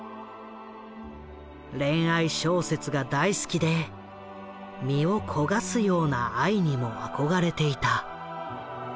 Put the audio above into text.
恋愛小説が大好きで身を焦がすような愛にも憧れていた。